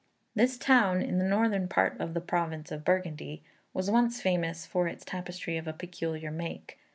This town, in the northern part of the province of Burgundy, was once famous for its tapestry of a peculiar make.